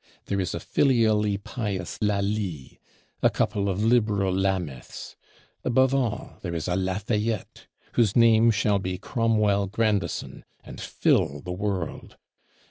There is a filially pious Lally; a couple of liberal Lameths. Above all, there is a Lafayette; whose name shall be Cromwell Grandison, and fill the world.